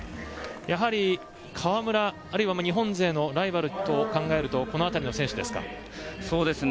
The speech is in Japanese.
やはり川村など日本勢のライバルと考えるとこの辺りの選手ですか？